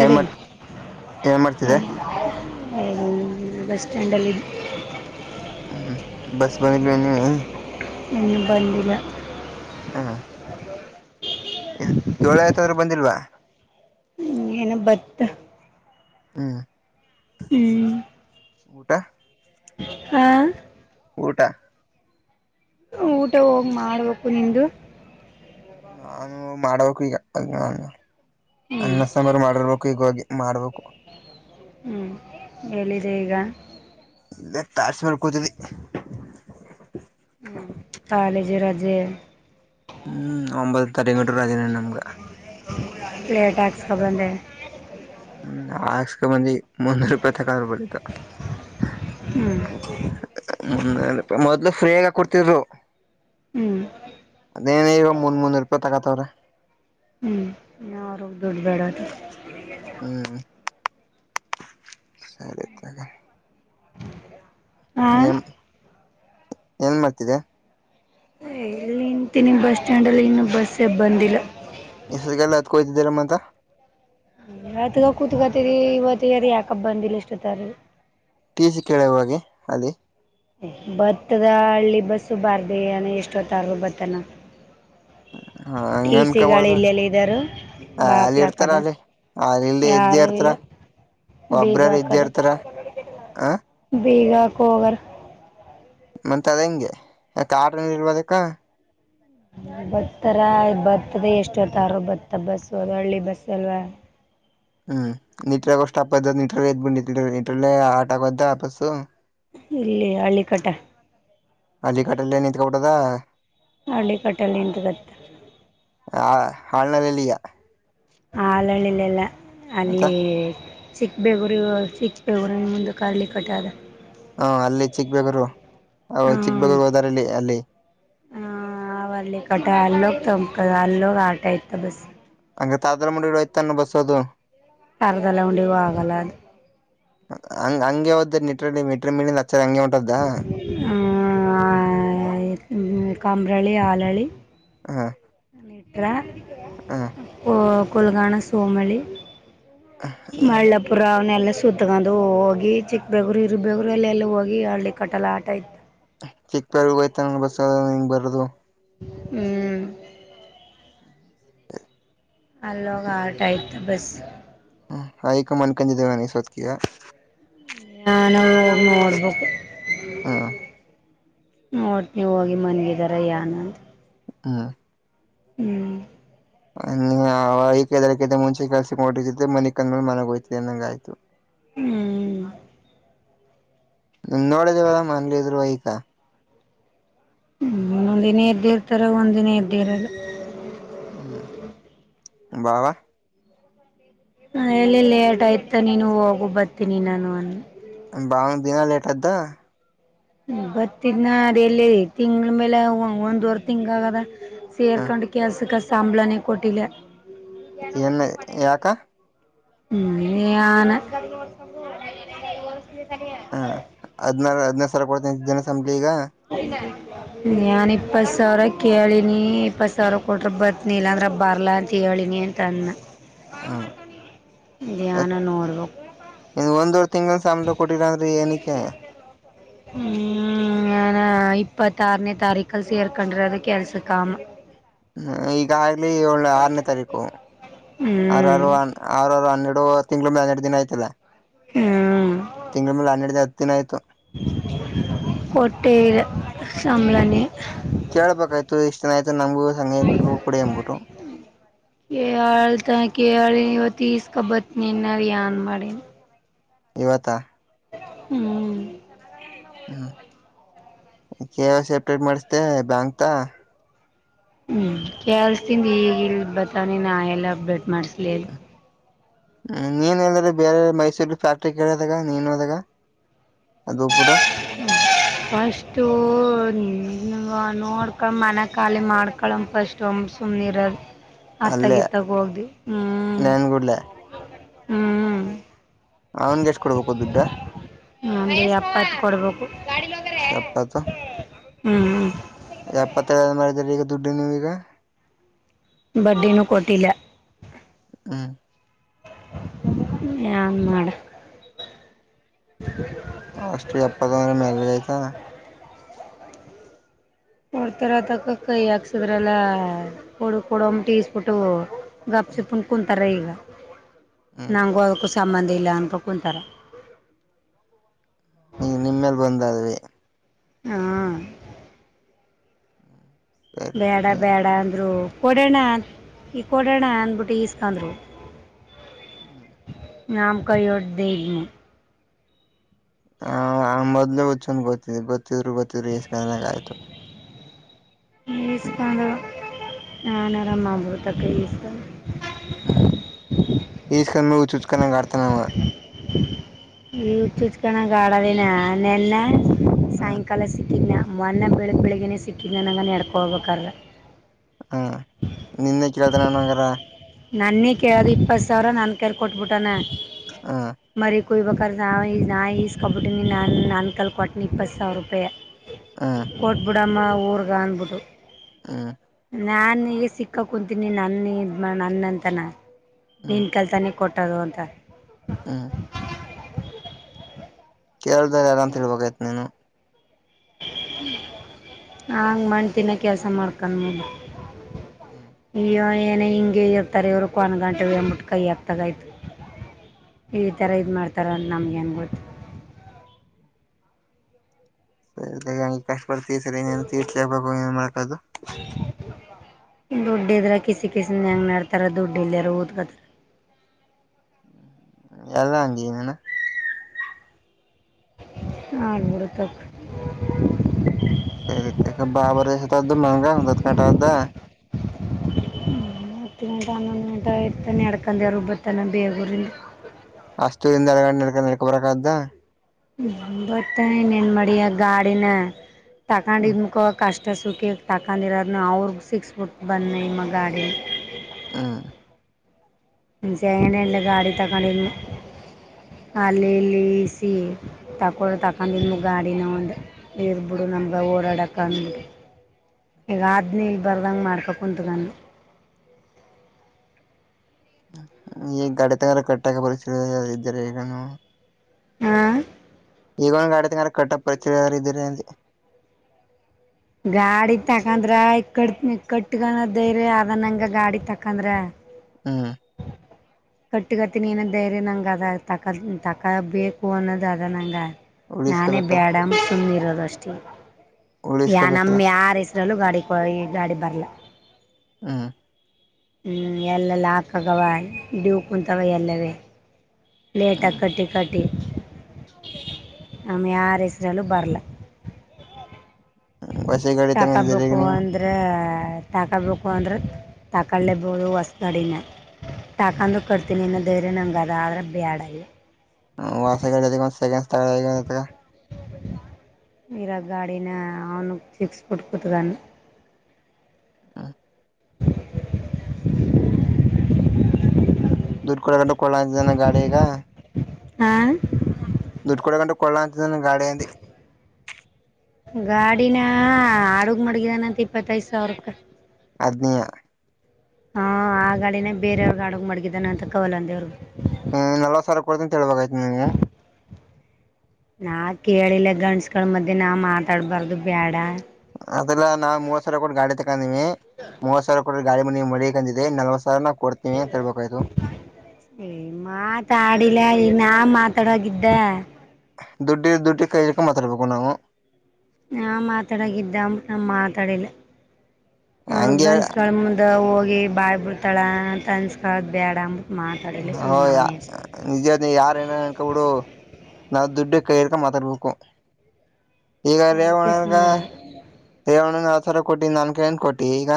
ಏನ್ ಮಾಡ ಏನ್ ಮಾಡ್ತಿದೆ ಚಂಡಲಿ ಹ್ಮ್ ಬಸ್ ಬಂದಿಲ್ವ ನೀ ನಿ ಬಂದಿನ ಹಾ ಏಳು ಆ್ತಂದ್ರರು ಬಂದಿಲ್ವಾ ಹ್ಮ್ ಏನ ಬತ್ತ ಹ್ಮ್ ಊಟ ಹಾ ಊಟ ಊಟ ಹೋಗಿ ಮಾಡ್ಬೇಕು ನಿದು ನಾನು ಮಾಡ್ಬೇಕು ಈಗ ಅ ಹ್ಞೂ ಅನ್ನ ಸಾಂಬಾರು ಮಾಡಿರ್ಬೇಕು ಈಗವಾಗಿ ಮಾಡಬೇಕು ಹ ಹೇಳಿದೆ ಈಗ ಎ ತಾರ ಸ ಕ ಕಾಲೇಜಿ ರಾಜೆ ಹ್ಮ್ ಒಂಬತ್ತು ತಡೆಗಟ್ರು ಅದೇನ ನಮ್ಗ ಲೇಟ್ ಹಾಕ್ಸ್ಕೊಬಂದೆ ಹ್ಮ ಆಕ್ಸ್ಕಬಂದಿ ಮುನ್ನೂರು ರೂಪಾಯಿ ತಕಬಡಿತ್ತು ಹ್ಞೂ ಮುನ್ನ ರೂಪಾಯಿ ಮೊದ್ಲು ಫ್ರೀಯಗ ಕೊಡ್ತಿದ್ರು ಹ್ಞೂ ಅದೇನ ಈಗ ಮುನ್ನುರ ರೂಪಾಯಿ ತೊಗೊತಾರೆ ದುಡ್ಡ ಬ್ಯಾಡ ಸರಿತಾಗ ಹಾಂ ಏನ್ ಏನ ಮಾಡ್ತಿದೆ ಇಲ್ಲಿ ನಿಂತೀನಿ ಬಸ್ ಸ್ಟ್ಯಾಂಡಲ್ಲಿ ಇನ್ನೂ ಬಸ್ಸ ಬಂದಿಲ್ಲ ಎಷ್ಟೋತ್ತಿಗೆಲ್ಲ ಹತ್ತಿಕೊಂಡುಹೋಗ್ತಿದಲ್ಲ ಮತ ಹಾತ್ಕಕುತ್ಕತಿದ್ದಿ ಇವತ್ತಾರ ಯಾಕಪ್ಪ ಬಂದಿಲ್ಲ ಇಷ್ಟತ್ತರುವೆ ಟೀ ಸಿ ಕೇಳು ಹೋಗಿ ಅಲ್ಲಿ ಬತಾದ ಹಳ್ಳಿ ಬಸ್ಸು ಬಾರ್ದ ಏನಾ ಎಷ್ಟೊತ್ತಾರರು ಬತನ ಹ ಹಂಗ ಟ ಸಿಗಳು ಅನ್ಕಬಾರ್ದ ಇಲ್ಲಿ ಎಲ್ಲಿದರು ಅಲ್ಲಿ ಬಾಕ್ಲ ಇರ್ತಾರ ಹಾಕದ ಅಲ್ಲಿ ಅಲ್ಲಿ ಇಲ್ಲಿ ಇದ್ದೇ ಯಾರು ಇರ್ತಾರ ಇಲ್ಲ ಬೀಗ ಒಬ್ರಾರ ಇದ್ದೇ ಹಾಕದ ಇರ್ತಾರ ಆ ಬೇಗ ಹಾಕೊ ಹೋಗ್ಯಾರ ಮತ್ತೆ ಅದ ಹೆಂಗೆ ಇಲ್ವಾ ಆಟೋಗಳು ಇಲ್ವಾ ಅದ್ಯಾಕ ಬತ್ತಾರ ಬತ್ತದ ಎಷ್ಟ ಹೊತ್ತಾರ ಬತಾದ ಬಸ್ ಅದು ಹಳ್ಳಿ ಬಸ್ ಅಲ್ವಾ [inaudible] ಹ್ಮ್ ನೀಟಾಗೋಷ್ಟಪ್ ನೀಟ್ರಲ್ಲ ಎದ್ಬಿ ನೀಟ್ರಲ್ಲೇ ಹಾಲ್ಟ್ ಆಗೋದ ಬಸು ಇಲ್ಲಿ ಹಳ್ಳಿಕಟ ಹಳ್ಳಿ ಕಟ್ಟಲೆ ನಿತ್ಕೊಬಿಟ್ಟದ ಹಳ್ಳಿಕಟ್ಟಲ್ಲಿ ನಿಂಕತ್ತ ಹ ಆಲಳಿಯೇ ಆಲಳ್ಳಿಲೆಲ್ಲ ಅಲ್ಲಿ ಚಿಕ್ಕ ಬೇಗುರು ಚಿಕ್ಕ ಬೇಗುರು ನಿಮ್ಮ ಮುಂದಕ್ಕ ಹಳ್ಳಿಕಟ್ಟಾ ಅದ ಹ ಅಲ್ಲಿ ಚಿಕ್ಕ ಬೇಗೂರು ಚಿಕ್ ಬೇಗೂರು ಹೋದಾರಲ್ಲಿ ಅಲ್ಲಿ ಹ ಹಳ್ಳಿಕಟ ಅಲ್ಲೋಗಿತಂಬಕದ ಅಲ್ಲೋಗ ಹಾಲ್ಟ್ ಆಯ್ತ ಬಸ್ಸ ತರದಲ್ಲ ಮೂಡಿಲಿ ಹೋಯ್ತಾಅನ್ನು ಬಸ್ ಅದು ತರದಲ್ಲಹುಂಡಿಗೆ ಹೋಗಲ್ಲ ಬಸ್ ಅದು ಹಂಗ್ ಹಂಗೆ ಹೋದ್ದ ನಿಟ್ರಲ್ಲಿ ಮಿಟ್ರಿಮೀಳಿಂದ ಆಚ್ಚರಿ ಹಂಗೆ ಹೊಂಟೋದ್ದ ಹ್ಮ್ ಕಂಬ್ರಲ್ಲಿ ಆಳಲ್ಲಿ ಹಾ ಮಿಟ್ರ ಕೊಲ್ಗಾಣ ಸೋಮಳ್ಳಿ ಮಳ್ಳಪುರ ಅವನೆಲ್ಲ ಸುತ್ತಕೊಂಡು ಹೋಗಿ ಚಿಕ್ಕಬೇಗುರು ಇರು ಬೇಗೂರು ಎಲ್ಲೆಲ್ಲ ಹೋಗಿ ಹಳ್ಳಿ ಕಟ್ಟಲು ಹಾಲ್ಟ್ ಆಯ್ತಾ ಚಿಕ್ಕಬೆಗೂರ್ ಗೆ ಒಯ್ತನ ಬಸ್ ಇಂಗ್ ಬರೋದು ಹ್ಮ್ ಅಲ್ಲೋಗಿ ಹಾಲ್ಟ್ ಆಯ್ತಾ ಬಸ್ ಆಯ್ಕ ಮನ್ಕಂದಿದ್ದೇವೆ ಎಷ್ಟೋತ್ತಿಗೆ ಹಾ ನಾವು ಹೋಗಿ ನೋಡಬೇಕು ಹ್ಮ ನೋಡ್ತಿನಿ ಹೋಗಿ ಮನ್ಗಿದಾರ ಯನ್ ಅಂತ ಹ್ಮ್ ಹ್ಮ್ ಹ ಅವೈಕ ಎದ್ದೇಲಾಕಿಂತ ಮುಂಚೆ ಕೆಲಸಕ್ಕೆ ಹೋದ್ರೆ ಮನಿಕೊಂಡ್ ಮೇಲೆ ಮನೆಗೆ ಹೋಯ್ತಿಯ ಅಂದಗೆ ಆಯ್ತು ಹ್ಮ್ ನಿಮ್ಮ ನೋಡಿದೇವರ ಮನ್ಲಿ ಇದ್ರು ಐಕ ಹ್ಮ ಒಂದಿನ ಎದ್ದ ಇರ್ತಾರ ಒಂದ್ದಿನ ಎದ್ದಿಯಿರಲ್ಲ. ಹ್ಮ್ ಭಾವ ಹ ಎಲ್ಲಿ ಲೇಟ್ ಆಯ್ತ ನೀನು ಹೋಗು ಬರ್ತೀನಿ ನಾನು ಅಂದ ಬಾವನದು ದಿನ ಲೇಟ್ ಅದ ಬತ್ತಿದ್ನ ಅದ ಎಲ್ಲಿ ತಿಂಗಳ ಮೇಲೆ ಒಂದುವರ್ ತಿಂಗ ಆಗದ. ಹ ಸೇರ್ಕೊಂಡು ಕೆಲಸಕ್ಕೆ ಸಂಬಳನೆ ಕೊಟ್ಟಿಲ್ಲ. ಏನ್ ಯಾಕ. ಹ್ಮ್ ಯನಾ ಕೊಡ್ತೇನ ಸಂಬ್ಳಿ ಈಗ ನಾನ್ ಇಪ್ಪತ್ ಸಾವಿರ ಕೇಳಿನಿ ಇಪ್ಪತ್ ಸಾವಿರ ಕೊಟ್ರ ಬತನಿ ಇಲ್ಲಾಂದ್ರ ಬರ್ಲಾ ಅಂತ ಹೇಳಿ. ಳಿನ ತನ್ನ ಹ್ಮ ಧ್ಯಧ್ಯಾನ ನೋಡ್ಬೇಕು. ತಿಂಗಗಳ ಸಾಮನ ಕೊಟ್ಟಿರಂದ ರೀ ಎನಕ್ಕೆ. ಇಪ್ಪತ್ತ ಆಾರನೇ ತಾರೀಕಲ್ಲಿ ಸೇರ್ಕೊಂಡ್ರದ ಕೆಲ್ಸಕಾಮ. ಹ್ಮ ಈಗ ಆಗ್ಲಿ ಒಳ್ಳ ಆರನೇ ತಾರೀಕು ಆರ ಹ್ಮ್ ಆರರು ಹನ್ನೆರಡು. ತಿಂಗಳುಳಂದ ಹೆರಡು ದಿನ ಆಯ್ತಲ್ಲ. ಹ್ಮ್ ತಿಂಗಳ ಮೇಲೆ ಹನ್ನೆರಡ ದ ಹತ್ತು ದಿನ ಆಯ್ತು. ಹೋಟೆ ಸಾಮಲಾನ. ಕೇಳ್ಬೇಕಾಯ್ತು ಇಷ್ಟು ಆಯ್ತು ನಮ್ಗೆ. ಕ ಹಳ್ತ ಕೇಳ ಇವತ್ತು. ತಸ್ಕಬತ್ ನೀನ್ನ ಏನ್ ಮಾಡಿ. ಇವತ್ತಾ. ಹ್ಮ್. ಹ್ಮ್ ಸೆಪ್ರೇಟ್ ಮಾಡಿಸತೆೇ ಬ್ಯಾಂಕ್. ಹ್ಮ್ ಕಲ್ಸತನ್ ಈಗ ಇಲ್ ಬತಾನನ್ ಎಲ್ಲ ಅಪ್ಡೇಟ್ ಮಾಡಸ್ಲಿಲ್. ಹ್ಮ್ ನೀನ್ ಎಲ್ಲ್ರ ಬೇರೆ ಮೈಸೂರ್ ಫ್ಯಾಕ್ಟ್ರಿ ಕೇಳದಾಗ ನೀನ್ ಹೋದಾಗ. ಅದು ಬಿಡು ಫಸ್ಟ್ ಹ್ಮ ನೋಡ್ಕೊಳ ಮನೆ ಖಾಲಿ ಮಾಡ್ಕಳ ಫಸ್ಟ್ ಒ ಸುಮ್ನೆ ಇರದು. ಆ ತಗಿ ಅಲ್ಲೇ ತಗ ಹೋಗ್ದು ಹ್ಮ್ ನನ್ಗುಡ್ಲೆ ಹ್ಮ್. ಅವನ್ಗೆ ಎಷ್ಟ್ ಕೊಡ್ಬೇಕು ದುಡ್ಡ ಹ ಅಪತ್ ಕೊಡ್ಬೇಕ. ಎಪ್ಪತ್ತು. ಹ್ಮ್ ಹ್ಮ. ಎಪ್ಪತ್ತೈದು ಮಾಡಿದ್ರ ಈಗ ದುಡ್ಡು ನೀವು ಈಗ. ಬಡ್ಡಿನೂ ಕೊಟ್ಟಿಲ್ಲ. ಹಾ. ನ್ ಮಾಡಕ. ಅಷ್ಟ್ರ ಎಪ್ಪತ್ ಮರೆ ಮೇಲ್ಗಯ್ತಾ. ನೋಡ್ತಾರ ತಕ್ಕ ಕ ಯಾಕ್ಸಿದ್ರಲ್ಲ ಹಡು ಕೊಡಂಬಟ್ಟ ಈಸ್ಬಿಟ್ಟು. ಗಾಪ್ಚೆಪುನ್ ಕುಣಂತ ರಗ. ಹ್ಮ್ ನಂಗು ಅದಕ್ಕೂ ಸಂಬಂಧ ಇಲ್ಲ ಅನ್ಕ ಕುಂತಾರ. ಈಗ ನಿಮ್ಮೇಲ್ ಬಂದದ್ವಿ ಹಾ. ಸರಿ ಬೇಡ ಹ್ಮ್ ಬೇಡ ಅಂದ್ರು. ಓಡೋಣ ಈ ಕಡೋಣ ಅಂದ್ಬಿಟ್ಟು ಈಸ್ಕಂದ್ರು. ಹ್ಮ್. ನಾಮ ಕೈ ಒಡ್ನ. ಹ ಮೊದ್ಲೇ ಹಚ್ಂದ ಗೊತ್ತಿದ್ದಿ ಬತ್ತಿದ್ರು ಬತ್ತಿದ್ರು ಎಷ್ಟ ಗಾಗ ಆಯ್ತು. ಹ್ಮ್ ಇಸ್ಕಾನ ನನರಮ್ಮಬೂ ತಕ್ಕ ಇಸ್. ಚುಚಕನ್ನ ಗಡ್ತನಮ್ಮ. ಈ ಚುಚ್ಕಣ ಗಾಡೋದಿನ ನಿನ್ನೆ ಹ್ಮ್ ಸಾಯಂಕಾಲ ಸಿಕ್ಕಿನ. ಮೊನ್ನ ಬೆಳಗ್ ಬೆಳಿಗ್ಗೆನೇ ಸಿಕ್ಕಿದನಂಗ ನಡ್ಕೊಬೇಕಾರ್ರ. ಹಾ ನಿನ್ನೆ ಕೇಳ್ತನೆ ನನ್ಂಗಾರ ನನ್ನೇ ಕೇಳದು ಇಪ್ಪತ್ ಸಾವಿರ ನನ್ ಕರ್ ಕೊಟ್ಬಿಟ್ಟನ ಹಾ ಕುಯ್ಬಕರ್ ನ ನಾ ಈಸ್ಕೊಬಟ್ಟುನಿ ನಾನು ನನ್ಕಲ್ ಕೊಟ್ಟನಿ ಇಪ್ಪತ್ತು ಸಾವಿರ ರೂಪಾಯಿ ಹ್ಮ್ ಕೊಟ್ಬಿಡಮ್ಮ ಊರ್ಗ ಅಂದ್ಬಿಟ್ಟು ಹ್ಮ ನಾನನ್ ಸಿಕ್ಕಾ ಕುಂತೀನಿ ನನ್ನ ನನ್ನ ಅಂತಾನ ನೀನ್ ಕಲ್ಸಾನೆ ಕೊಟ್ಟದು ಅಂತ ಹಾ ಕೇಳದಲ್ಲಿ ಯಾರ ಅಂತೇಳ್ಬಬೇಕಯ್ತು ನೀನು ಹಂಗ ಮಾಡ್ತೀನ ಕೆಲ್ಸ ಮಾಡ್ಕೊಂಡ ಮದ ಹ್ಮ್ ಹ ಏನೇ ಹಿಂಗೆ ಇರ್ತಾರೆ ಇವ್ರೂ ಒಂದು ಗಂಟೆ ಹೇಬಿಟ್ಟು ಕೈಯ್ಯಕ್ತಗಾಯ್ತು ಈಥರ ಇದ ಮಾಡಾತಾರ ಅ ನಮ್ಗೇನ್ ಗೊತ್ತು ಸರಿಂಗಗೆ ಕಷ್ಟಪಡ್ತಿಮವಿ ಸರಿ ನನ್ ತರ್ಟ್ಲಿಬೇಕು ಏನ್ ಮಾಡ್ಕೋದು ದುಡ್ ಇದ್ರ ಕಿಸಿ ಕಿಸಿನ ಹೆಂಗ ನಡ್ತಾರ ದುಡ್ಡು ಇಲ್ಲಯಾರ ಊದ್ಕತ್ತಾರ ಎಲ್ಲ ಹಂಗಿನನ ಹ ಮೂರುತ ಸರಿತ ಬಾ ಬರ ಶತ್ದು ಮಂಗ ಹತ್ ಗಂಟ ಆದ್ದ ಹತ್ತು ಗಂಟೆ ಹನ್ನೊಂದು ಗಂಟ ಆಯತ ನಡ್ಕೊಂಡೆರುಬ್ ಬತ್ತಾನ ಬೇಗೂರಿಂದ ಅಷ್ಟತೂರಿಂದ ಎಳಗಡೆ ನಡ್ಕೊಂಡ ನಡ್ಕೊ ಬರ್ದ ಬತ್ತನ್ನ್ ಮಾಡಿ ಗಾಡಿನ ತಕೊಂಡ ಹ್ಮ್ ಇದ್ಮಕ ಕಷ್ಟ ಅಷ್ಟ ಸುಖಿಗೆ ತಕೊಂಡಿರೋದನ್ನ ಅವ್ರಿಗೆ ಸಿಕ್ಸ್ಬಿಟ್ಟು ಬನ್ನಿ ನಿಮ್ಮ ಗಾಡಿ ಹಾ ಮಸ ಎಂಗನಲ್ಲ ಗಾಡಿ ತಕ್ಕೊಂಡಿ ಅಲ್ಲಿ ಇಲ್ಲಿ ಸಿ ತಕೊಂಡ ತಕೊಂಡ ಇ ಗಾಡಿನ ಒಂದು ಇರ್ಬಿಡ್ ನಮ್ಗೆ ಓರಾಡಕ ಈಗ ಆದ್ನ ಇಲ್ ಬರ್ದಂಗ ಮಾಡ್ಕೋ ಕುಂತಗಾನ [unintelligible] [inaudible] ಈ ಗಾಡಿ ತಗಾರ ಕಟ್ಟಕ ಪರಿಸ್ಥಿತಿ ಇದ್ದಾರೆ ಈಗ ಹಾ ಈಗೊಂದು ಆಡಿತಂರ ಕಟ್ಟ ಪರಿಚರಿದ್ದರಿಂತೆ ಗಾಡಿ ತಕಂದ್ರ ಇಕ್ಕಟ್ಟ ಇಕ್ಕಟ್ಟಗನದೇರಿ ಅದ ನಂಗ ಗಾಡಿ ತಕಂದ್ರ ಹ್ಮ ಕಟ್ಟಿ ಕತಿ ಏನ ಧೈರ್ಯ ನಂಗಗೆ ಅದ ತ ತಕ ಬಬೇಕು ಅನ್ನೋದು ಅದ ನಂಗ ನಾನೇ ಉಳಿಸ್ಕೋಬೇಕಲ್ಲ ಬ್ಯಾಡಮ ಸುಮಮ್ಮ ಇರೋದಷ್ಟೇ ಯ ನಮ್ ಉಳಿಸ್ಕೋಬೇಕಲ್ಲ ಯಾರ ಹೆಸ್ರಲ್ಲೂ ಗಾಡಿ ಕೊ ಈ ಗಾಡಿ ಬರ್ಲ್ಲ ಹ್ಮ ಹ್ಮ್ ಎಲ್ಲೆಲ್ಲ ಹಾಕಾಗವ ಡ್ಯೂ ಕುಂತವ ಎಲ್ಲರ ಲೇಟ ಹ್ಮ್ ಕಟ್ಟಿ ಕಟ್ಟಿ ನಮ ಯಾರ ಹೆಸ್ರಲ್ಲೂ ಬರಲ ಹೊಸ ಗಾಡಿ ತಗೊಂಡಿದ್ದೀರಿಗ ತಾಕಬೇಕು ನೀವು ಅಂದ್ರೆ ತಾಕೋಬೇಕು ಅಂದ್ರೆ ತಾಕೊಳ್ಳಲೇಬೋದು ಹೊಸ ಗಡಿನ ತಾಕಂದ ಕಟ್ತೀನಿ ಇ ಬೇರೆ ನಂಗಗೆ ಅದ ಆದ್ರೆ ಬ್ಯಾಡಯ ವಾಸ ಒ ಸೆಕಂಡ್ಸ್ ತ ನೀರ ಆ ಗಾಡಿನ ಅವನ್ ಸಿಿಕ್ಸ್ ಪುಟ್ಟಕತಗು ಹಾ ದುಡ್ ಕಡ ಗಂಟ ಕೊಡನೆ ಗಾಡಿ ಈಗ ಹಾ ದುಡ್ಡು ಕೊಡಕೊಂಡು ಕೊಡ್ಲ ಅಂತಿದ್ದ ಗಾಡಿಯ ಅಂದ ಗಾಡಿನ ಹ ಹಡುಗ್ ಮಡಗಿದಾನಂತ ಇಪ್ಪತ್ತದ್ ಸಾವಿರ ಅದನಯ ಹಾ ಆ ಗಾಡಿನೇ ಬೇರವ್ರ ಆಡಗ್ ಮಡಗಿದ್ದಾನ ಅಂತ ಕವಲ್ಲ ಅಂದೆವ್ರಗ್ ಹ್ಮ ನೆಲ್ಲ ಸರ್ ಕೊಡ್ತ ಅಂತ ಹೇಳ್ಬೇಕಯ್ತನಿ ನೀವು ನಾ ಕೇಳಿಲ್ಲ ಗಂಡಸ್ಗಳ ಮಧ್ಯೆ ನಾವು ಮಾತಾಡ್ಬಾರ್ದು ಬೇಡ ಅದೆಲ್ಲ ನಾವು ಮೂವತ್ ಸಾವಿರ ಕೊಟ್ಟ ಗಾಡಿ ತಕೊಂಡೀವಿ ಮೂವತ್ ಸಾವಿರ ಕೊಟ್ಟ ಗಾಡಿ ಮನೆ ಮಳಿ ಕಂದಿದೆ ನಲ್ವ ಸಿರ ಮಾ ತಾಡಲ್ಲ ನಾ ಮಾತಾಡಾಗಿದ್ದೆ ದುಡ್ಡು ದುಡ್ಡು ಕೈಲಿಕ್ಕ ಮಾತಾಡ್ಬೇಕಕ್ಕ ನಾವು ನಾ ಮಾತಾಡಾಗಿದ್ದ ನ ಮಾತಾಡಿಲ್ಲ ನೋಡು ಹಂಗೆ ಗಂಡಸ್ಕಳ ಮುಂದ ಹೋಗಿ ಬಾಯ್ ಬಿಡ್ತಾಳ ತನ್ಸ್ಕಳದ್ ಬೇಡ ಮಾತಾಡಿಲ್ಲ ಹ ಸುಮ್ನೆ ಯ ಅವನೇ ಅಷ್ಟೆ ನಿಜಾದ ಯಾರ ಏನ ಅನ್ಕಬಿಡು ನಾವು ದುಡ್ಡ ಕೈ ಇರ್ಕ ಮಾತಾಡ್ಬೇಕು ಈಗ ಅದಕ್ಕೆ ರೇವಣಗ ಸುಮ್ಮನೆ ದೇವಣ್ಣನ್ ನಾವ್ ತರ ಕೊಟ್ಟಿ ನನ್ ಕೇಳನ್ ಕೊಟ್ಟಿ ಈಗ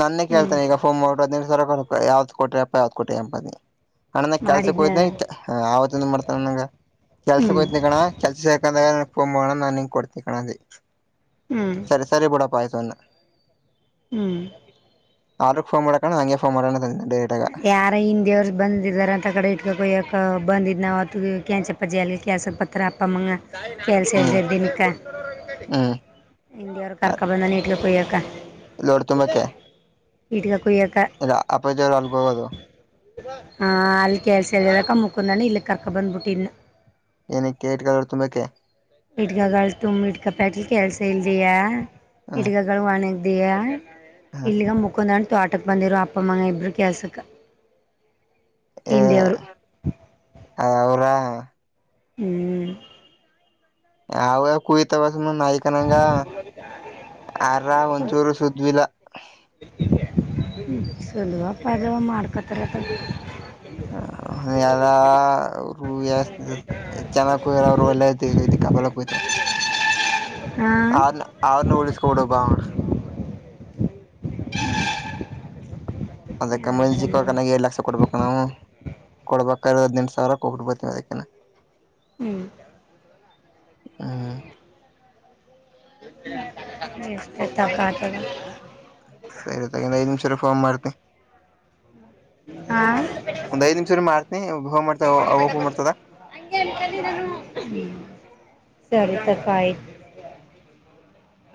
ನನ್ನೇ ಹ್ಞೂ ಕೇಳ್ತಾನೆ ಈಗ ಫೋನ್ ಮಾಡಿರು ಅದ ರ ಯಾವ್ದತ್ ಕೊಟಿ ಅಪ್ಪ ಯಾವ್ದ ಕ ಕೊಟಿ ಎಪನಿ ಅಣ್ಣ ನ ಕೆಲ್ಸಕ್ ಮಾಡಿದ್ನ ಹೋಯ್ನ ಆವತ್ತಂದ ಮಾಡ್ತಾನ ನಂಗ ಹ್ಞೂ ಕೆಲ್ಸಕ್ೋಯ್ತನ ಕಣ್ಣ ಕೆಲ್ಸ ಸಕಂದ್ರ ಸೋಮವಾರ ನಾನು ನಿ ಕೊಡ್ತೀ ಕಣಿ ಹ್ಞೂ ಸರಿ ಸರಿ ಬಿಡ ಪಾಯಸನ್ನೆ ಹ್ಮ್ ಆ್ರ ೋನ್ ಮಾಡಕಣ ಹ ಹಾಗೆ ಫೋನು ಮಾಡಣ ಅೆ ಯಾರ ಹಿಂದಿ ಅವರು ಬಂದಾರ ಅಂತ ಕಡೆ ಇಟ್ಕಕ್ ಹಯ್ಯಕ ಬಂದಿದ್ದು ನಾವು ಆತ್ತುಿಗೆ ಕ್ಯಾಂಚಪ್ಪ ಜೆಲ್ಲಿ ಕೆ್ಯಾ ಸ್ವಲ್ ಪತ್ರ ಅಪ್ಪಮಗ ಪೇಲ್ಸೇಲ್ ಹ್ಮ್ ಜರುದ ನಿಕ ಹ್ಮ್ ಇ ಅವರು ಕರಕ ಬಂದ ನೀಟ್ಟಿಗೆ ಕುಯಕ ಲೋಡ್ ತುಂಬಾಕ್ಕೆ ಇಟ್ಗ ಲ್ಲ ಅಪ್ಪಾಜಿಅಲ್ಗೋಗದು ಹಾ ಅಲ್ಲಿ ಕೆಲ್ಸ ಇದಕ ಮುಕಂದಾನ ಇಲ್ಲಿ ಕರ್ಕ ಬಂದ್ಬಿಟ್ಟ ಇ ಏನಕ್ಕೆ ಇಟ್ಗಲ್ರು ತುಂಬಾೇಕೆ ಇಟ್ಕಗಳು ತುಂಬ ಇಟ್ಕಪ್ಯಾಟ್ಲಿ ಕೆಲ್ಸ ಇಲ್ದಿಯ ಹ ಹಿಟ್ಗಗಳು ಒಣಗದಯ ಹ ಇಲ್ಲಿಗ ಮುಕಂದಾಂಡ ತೋಟಕ್ಕೆ ಬಂದಿರು ಅಪ್ಪಮ್ಮಂಗ ಇಬ್ರು ಕ್ಯಾಾಸಕ ಇಂಡಿಯವರು ಹ ಅವರಾ ಹ್ಮ್ ಅವರು ಕುಯ್ತಾಳ ಕಣ್ ನಾಯಿ ಕನ್ನಡ ಆರ ಒಂಚೂರು ಸದ್ವಿಲ್ಲ ಸಿದ್ವಪತ್ವ ಮಾಡ್ಕೋತೇತಕ ಹ ಎಲ್ಲ ಚೆನ್ನಾಗಿ ಅವರು ಎಲ್ಲ ಇದ ಕಾಪಲ್ಲ ಹಯ್ತ ಹಾಂ ಆ ಅವನ್ನು ಉಳಿಸಕಬಡು ಬ [unintelligible] ಅದಕ್ಕೆ ಮುಂಜಿಕ್ಕಕನಾಗ ಎರಡು ಲಕ್ಷ ಕೊಡ್ಬೇಕು ನಾವು ಕೊಡ್ಬೇಕ ಅದಿನೆಂಟು ಸಾವಿರಕ್ಕೆ ಕೊೋಗಿಡ್ಬ ಅದಕನೆ ಹ್ಮ್ ಹ ಎಷ್ಟ ತಕಾತದೆ ಸರಿ ತಗಂದ ಐದುನಿಮಿಷ ಫಾರ್ಮ್ ಮಾಡ್ತಿ ಹಾಂ ಒಂದ್ ಐದ್ ನಿಮಿಷ್ರ ಮಾರ್ತನಿ ಹ ಮಾಡ್ತ ಅವ್ವ ಮಾಡ್ತದ ಹಂಗೆ ಅನ್ನ ದಿ ಸರಿ ಕಪ್ಪ ಆಯ್ತು